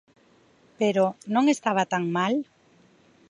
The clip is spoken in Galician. Pero ¿non estaba tan mal?